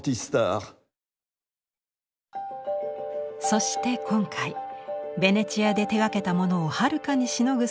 そして今回ベネチアで手がけたものをはるかにしのぐ